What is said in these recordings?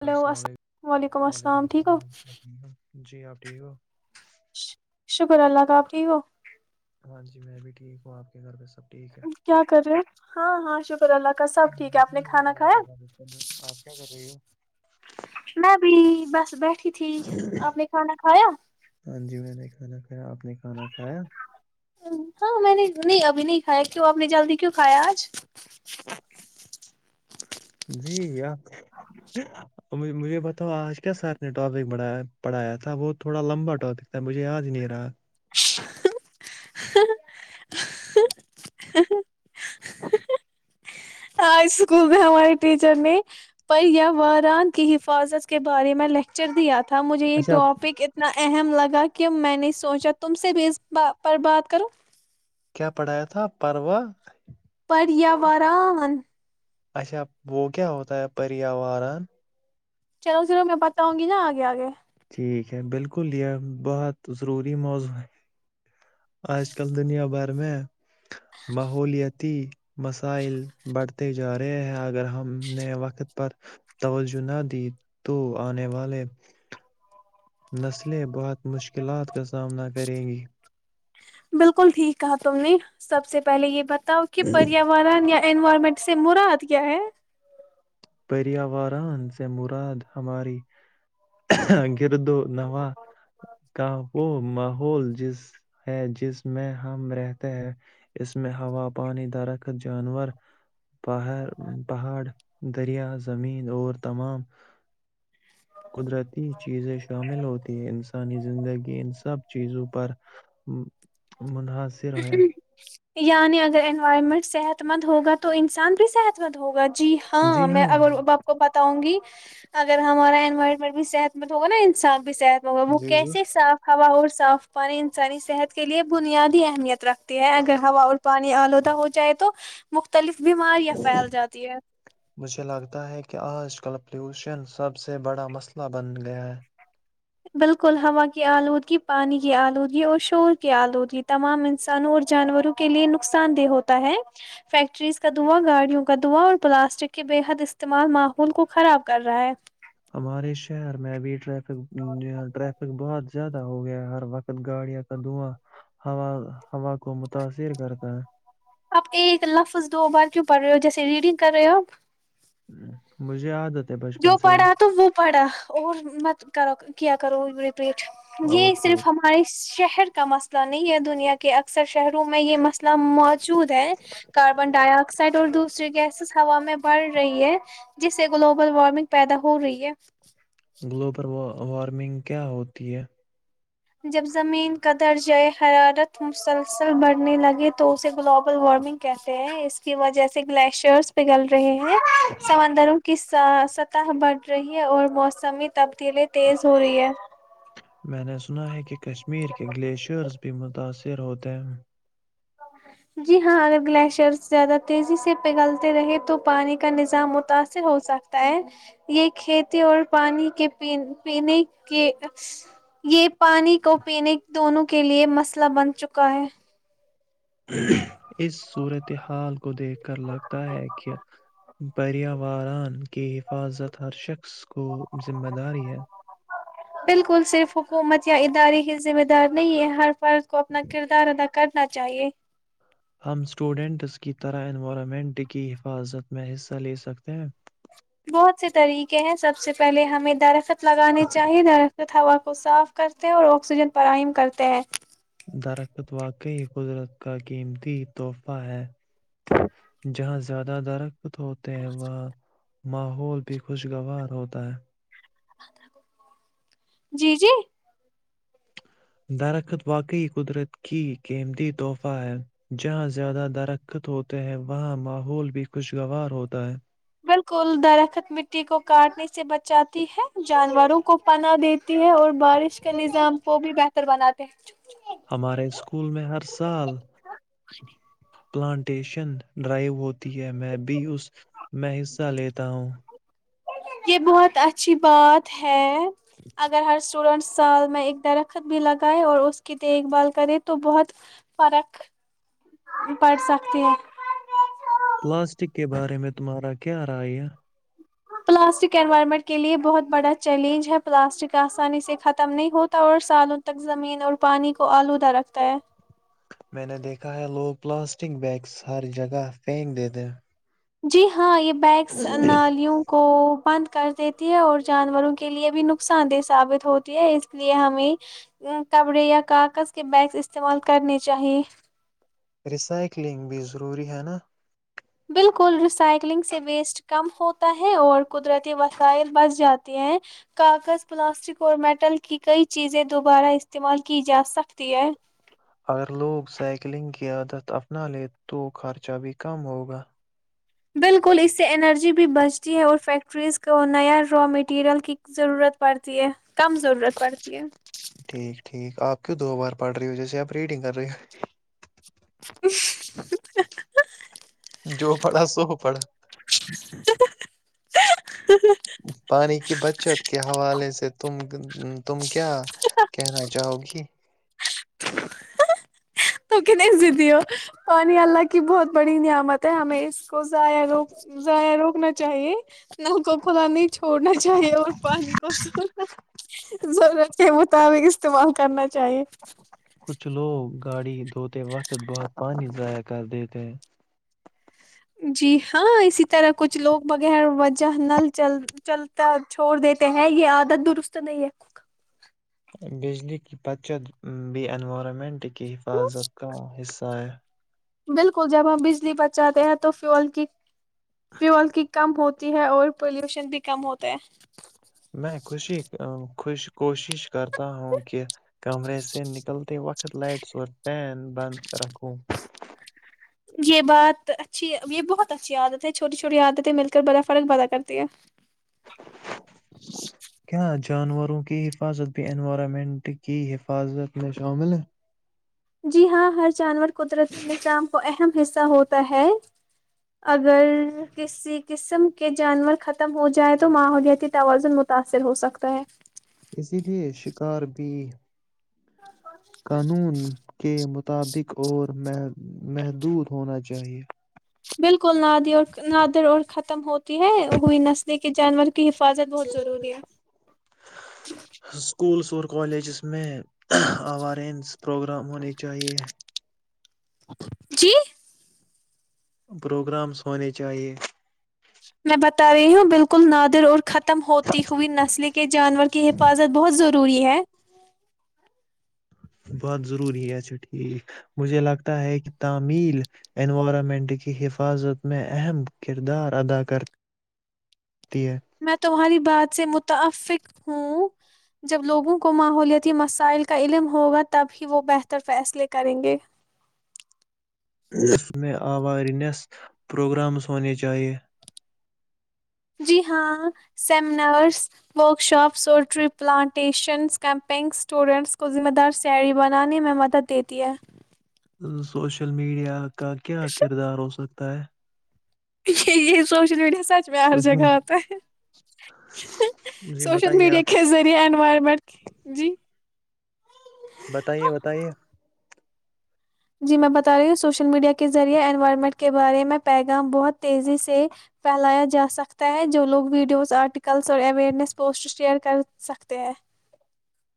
ل ہلو السلام الس علیکم وعلیکم ٹھیک ہو السلام ورحمۃم جی آ [unintelligible] ٹھیک ہو کاب ٹھیک ہو [unintelligible] ہاں جی میں بھی ٹھیک ہوں آپ کے گھر پہ سات [unintelligible] کیا کر رہے ہاں ہاں شکر اللہ کا سب میں ٹھیک ہے آپ ایسے نے ہی کھانا بیٹھا کھایا تھا بستر میں آپ کیا کر رہی ہو میں [unintelligible] پلی بس بیٹھ [unintelligible] اھی تھی آپ نے کھانا کھایا [unintelligible] ہاں جی میں نے کھانا کھایا آپ نے کھانا کھایا [inaudible] ہاں میں نے نہیں ابھی نہیں کھایا کیوں آپ نے جلدی کیوں کھایا آج [unintelligible] جی آپ [inaudible] اور مجھے بتاؤ آج کیا سر نے ٹاپک بڑھیا پڑھایا تھا وہ تھوڑا لمبا ٹاپک تھا مجھے یاد نہیں رہا [inaudible] ہ [inaudible] ہ [inaudible] ہ اسکول میں ہمارے ٹیچر نے پیہ واران کی حفاظت کے بارے میں لیکچر دیا تھا [unintelligible] تھا مجھے یہ اچھا ٹاپک اتنا اہم لگا [unintelligible] کی میں نے سوچا تم سے بھی اس ب پر بات کرو [unintelligible] کیا پڑھایا تھا پرواں [inaudible] ایا واران اچھا وہ کیا ہوتا ہے پریاورن چلو فھر میں پتا ہں گی نا آگے آگے ٹھیک ہے بالکل ی بہت ضروری موضوع ہے آج کل دنیا بھر میں ماحولتی مسائل بڑھتے جا رہے ہیں اگر ہم نے وقت پر توجہ نہ دی تو آنے والے نسلیں بہت مشکلات کا سامنا کریں گی بالکل ٹھیک کہا تم نے سب سے پہلے یہ بتا بتا کی پریاورن یا انوائرمنٹ سے مرا ہاد کیا ہے پیاوران سے مراد ہماری گر دو نو کا وہ ماحول جس ہے جس میں ہم رہتے ہیں اس میں ہوا پانی درخت جانور پر پہاڑ دریا زمین اور تمام قدرتی چیزیں شامل ہوتی ہیں ان سے آسانی زندگی ان سب چیزوں پر منحصر ہے یعنی اگر انوائرمنٹ صحت مند ہوگا تو انسان بھی صحت مند ہوگا جی ہاں میں اگر آپ کو ب وں گی اگر ہمارا انوائرمنٹ بھی صحت مند ہوگا نا انسان ب صت مگا وہ جی جی کیسے صاف ہوا اور صاف پانی انسانی صحت کے لیے بنیاد اہمیت رکھ اگر ہا اور پانی آلودہ ہو جائے تو مختلف بیماریاں پھیل جاتی ہیں مجھے لگتا ہے کہ آج کل فلوشن سب سے بڑا مسئلہ بن گیا ہے بالکل ہوا کی آلودگی پانی کی آلودگی اور شور کی آلودگی تمام انسانوں اور جانوروں کے لیے نقصان دہ ہوتا ہے فیکٹریز کا دوا گاڑیوں کا دوااں اور پلاسٹک کے بے حد استعمال ماحول کو خراب کر رہا ہے ہمارے شہر میں ابھی ٹریفک ٹریفک بہت زیادہ ہو گیا ہے ہر وقت گاڑیاں کا دھواں ہوا ہوا کو متاثر کرتا ہے آپ ایک لفظ دو بار کیوں پڑھ رہے ہو جیسے ریڈنگ کر رہے ہو آپ مجھے یاد آتی جو پڑھا تو وہ پڑھا اور مت کرو کیا کرو پیٹ یہ اوکے صرف اوکے ہمارے شہر کے کا مسئلہ نہیں ہے دنیا کے اکثر شہروں میں یہ مسئلہ موت چود ہے کاربن ڈائی آکسائڈ اور دودھ دوسری گیس ہوا میں بڑھ رہی ہے جسے گلوب گ وارمنگ پیدا ہو رہی ہے گلوبل وارم وارمنگ کیا ہوتی ہے جب زمین کا درج ہے حرارت مسلسل بڑھنے لگے تو اسے گلوبل وارمنگ کہتے ہیں اس کی وجہ سے گلیشیئرس پگھل رہے ہیں ہیں سمندروں ک س سطح بڑھ رہی ہے اور موسمی تبدیل تیز ہو رہی ہے میں نے سنا ہے کہ کشمیر کے گلیشیئرز بھی متاثر ہوتے ہیں جی ہاں اگر گلیشیئر زیادہ تیزی سے پگھلتے رہے تو پانی کا نظام متاثر ہو سکتا ہے یہ کھیتی اور پ کے یہ پانی کو پینے دونوں کے لیئے مسئلہ بن چکا ہے اس صورتحال کو دیکھ کر لگتا ہے کہ پرییاوران کی حفاظت ہر شخص کو ذمہ داری ہے بالکل صرف حکومت یا ادارے کی ذمہ دار نہیں ہے ہر کو اپنا کردار ادا کر نا چاہیے ہم اسٹوڈینٹس کی طرح انوائرمنٹ کی حفاظت میں حصہ لے سکتے ہیں بہت سے طریقے ہیں سب سے پہلے ہمیں درخت لگانے چاہے نا ہوا کو صاف کرتے ہیں اور آکسیجن فراہم کرتے ہیں درخت واقعی قدرت کا قیمتی تحفہ ہے جہاں زیادہ درخت تو ہوتے ہیں وہ ماحول بھی خوشگوار ہوتا ہے جی جی درخت واقعی قدرت کی قیمتی تحفہ ہے جہاں زیادہ درخت ہوتے ہیں وہاں ماحول بھی خوشگوار ہوتا ہے بالکل درخت مٹی کو کاٹنے سے بچاتی ہے جانوروں کو پناہ دیتی ہے اور بارش کے نظام کو بھی بہتر بناتے ہیں ہمارے اسکول میں ہر سال پلانٹیشن ڈرائیو ہوتی ہے میں بھی اس میں حصہ لیتا ہوں [inaudible] پلاسٹک کے بارے میں تمہارا کیا رائے ہے؟ پلاسٹک انوائرمنٹ کے لیے بہت بڑا چیلنج ہے پلاسٹک آسانی سے ختم نہیں ہوتا اور سالوں تک زمین اور پانی کو آلودہ رکھتا ہے میں نے دیکھا ہے لوگ پلاسٹک بیگس ہر جگہ پھینک دے دیں جی ہاں یہ بیگس نالیوں کو بند کر دیتی ہے اور جانوروں کے لیے بھی نقصان دہ ثابت ہوتی ہے اس لیے ہمیں کپڑے یا کاغذ کے بیگس استعمال کرنے چاہیے ریسائکلنگ بھی ضروری ہے نا بالکل ریسائکلنگ سے ویسٹ کم ہوتا ہے اور قدرتی وسائل بچ جاتے ہیں کاغذ پلاسٹک اور میٹل کی کئی چیزیں دوبارہ استعمال کی جاسکتی ہیں اگر لوگ سائیکلنگ کی عادت اپنا لے تو خرچہ بھی کم ہو گا بالکل اس سے انرجی ج بھی بچتی ہے اور فیکٹری ٹریز کو نیا را میٹیریل کی ضرورت پڑتی ہے کم ضرورت پڑتی ہے ٹھیک ٹھیک آپ کیوں دو بار پڑھ رہی ہو جیسے آپ ریڈنگ کر رہی ہو [inaudible] جو پڑا سو پڑا ہ پانی کی بچت کے حوالے سے تم تم کیا کہنا چاہو گی جیتی ہو نہیں اللہ کی بہت بڑی نعمت ہے ہمیں تو زا روخ جا روخ نا چاہیے نل کو کھدا نہیں چھوڑنا چاہیے اور پانی کو سنا ضرورت کے مطابق استعمال کرنا چاہیے کچھ لوگ گاڑی دھوتے وقت بہت پانی ضائع کر دیتے جی ہاں اسی طرح کچھ لوگ بغیر وجہ نل چل چلتا چھوڑ دیتے ہیں یہ عادت درست نہیں ہے بجلی پت چ بی انینورارامینٹ کی حفاظت کا حصہ ہے بالکل جب ہم بجلی بچاتے ہیں تو فیول کی فیول کی کم ہوتی ہے اور پولوشن بھی کم ہوتا ہے میں خوشی خوش کوشش کرتا ہوں کہ کمرے سے نکلتے وقت لائٹس اور پین بند رکھوں یہ بات اچھی یہ بہت اچھی عادت ہے چھوٹی چھوٹی عادتیں مل کر بڑا فرق پدا کرتی ہے کیا جانوروں کی حفاظت بھی انوائرمنٹ کی حفاظت میں شامل ہے جی ہاں ہر جانور قدرتی نظام کو اہم حصہ ہوتا ہے اگر کسی قسم کے جانور ختم ہو جائے تو ماحولیاتی توازن متاثر ہو سکتا ہے اسی لیے شکار بھی قانون کے مطابق اور مح محدود ہونا چاہیے بالکل نادی اور نادر اور ختم ہوتی ہے ہوئی نسل کے جانور کی حفاظت بہت ضروری ہے ور کالیجس میں آوینز پروگرام ہونے چاہیے جی پروگرامس ہونے چاہیئے وں بالکل نادر اور ختم ہوتی ہوئی نسلیں کے جانور کی حفاظت بہت ضروری ہے بات ضروری ہے اچھا ٹھیک مجھے لگتا ہے کہ تمیل انوائرمنٹ کی حفاظت میں اہم کردار ادا کر میں تمہاری بات سے متفق ہوں جب لوگوں کو ماحولیاتی مسائل کا علم ہوگا تب ہی وہ بہتر فیصلے کریں گے اس میں اورنیس پروگرامز ہونے چاہیئے جی ہاں سیمینارز ورکشاپس اور ٹری پلانٹیشنز کیمپنگ اسٹوڈنٹس کو ذمہ دار ساڑری بنانے میں مدد دیتی ہے سوشل میڈیا کا کیا کردار ہو سکتا ہے [inaudible] یہ سوشل میڈیا سچ میں ہر جگہ سوشل آتا ہے جی سوشل بتائیے میڈیا آپ کے ذریعے انوائرمنٹ جی بتائیے بتائیے جی میں بتا رہی ہوں سوشل میڈیا کے ذریعہ انوائرمنٹ کے بارے میں پیغام بہت تیزی سے پھیلایا جاسکتا ہے جو لوگ ویڈیوز آرٹیکلز اور اویرنیس پوسٹ شیئر کر سکتے ہیں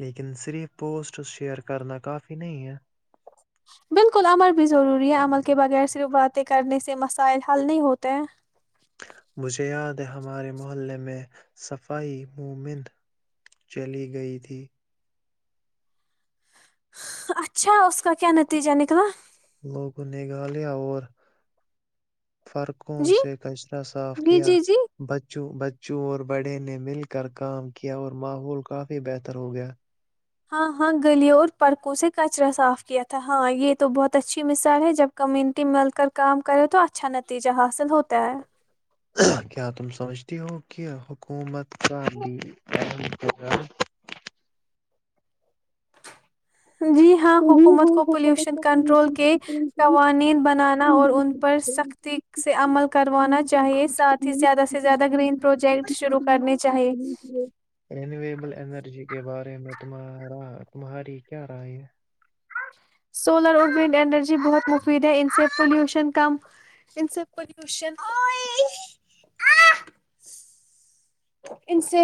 لیکن صرف پوسٹ شیئر کرنا کافی نہیں ہے بالکل عمل بھی ضروری ہے عمل کے بغیر صرف باتیں کرنے سے مسائل حل نہیں ہوتے ہیں مجھے یاد ہے ہمارے محلے میں صفائی مومند چلی گئی تھی اچھا اس کا کیا نتیجہ نکلا لوگوں نگھالیہ اور فرقوں جی سے کچرا صاف جی کیا جی جی بچوں چور بڑے نے مل کر کام کیا اور ماحول کافی بہتر ہو گیا ہاں ہاں گلیوں اور پرکوں سے کچرا صاف کیا تھا ہاں یہ تو بہت اچھی مثال ہے جب کمیونٹی مل کر کام کرے تو اچھا نتیجہ حاصل ہوتا ہے کیا تم سمجھتی ہو کہ حکومت کا بھی اہم کرظام جی ہاں یہی ہے حکومت کو حکومت پلیوشن کو کنٹرول پولیوشن کے کنٹرول کے قوانین بنانا قوانین اور ان بنانا پر اور ان سختی پر سے سختی عمل کروانا عمل چاہیے کروانا ساتھ ہی چاہیے زیادہ سے ساتھ ہی زیادہ گرین پروجیکٹ سے شروع زیادہ کرنے ہم چاہیے قدم کریں رینیویبل انرجی کے بارے تمہارا تمہاری کیا را ہے سولر اور ونڈ انرجی بہت مفید ہے ان سے پالوشن کم ان سے پلیوشن ان سے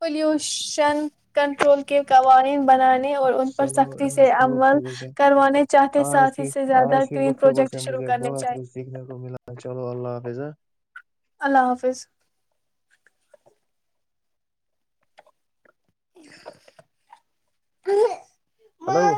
پلیوشن کنٹرول کے قوانین بنانے اور ان پر چلو سختی سے آج کی عمل گفتگو سے کروانے چاہتے آج ساتھ ہی کی سے زیادہ آج کی گرین گفتگو پروجیکٹ سے شروع مجھے کرنے بہت چاہیے کچھ سیکھنے کو ملا چلو اللہ حافظ [inaudible] اللہ حافظ [inaudible] ہلو